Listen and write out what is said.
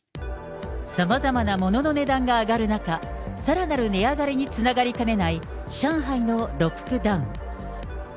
さまざまな物の値段が上がる中、さらなる値上がりにつながりかねない上海のロックダウン。